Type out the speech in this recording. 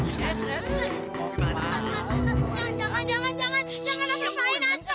jangan jangan jangan jangan lompat main asma